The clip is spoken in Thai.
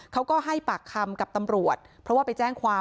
เขาก็ให้ปากคำกับตำรวจเพราะว่าไปแจ้งความ